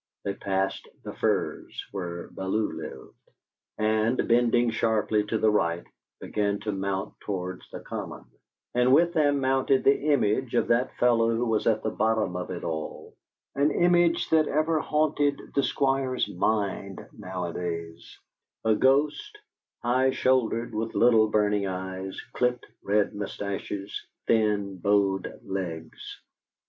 They passed the Firs, where Bellew lived, and, bending sharply to the right, began to mount towards the Common; and with them mounted the image of that fellow who was at the bottom of it all an image that ever haunted the Squire's mind nowadays; a ghost, high shouldered, with little burning eyes, clipped red moustaches, thin bowed legs.